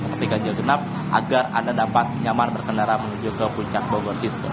seperti ganjil genap agar anda dapat nyaman berkendara menuju ke puncak bogor